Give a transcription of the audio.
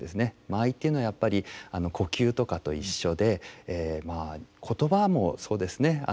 間合いというのはやっぱり呼吸とかと一緒でまあ言葉もそうですね。